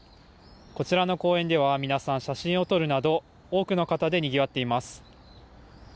こちらの公園では皆さん写真を撮るなど多くの方でにぎわっています。